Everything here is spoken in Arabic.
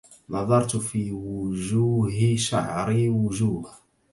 نظرت في وجوه شعري وجوه